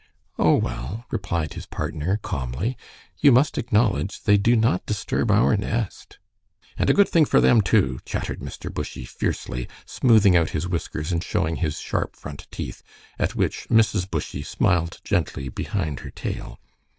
"Oh, well," replied his partner, calmly, "you must acknowledge they do not disturb our nest." "And a good thing for them, too," chattered Mr. Bushy, fiercely, smoothing out his whiskers and showing his sharp front teeth, at which Mrs. Bushy smiled gently behind her tail.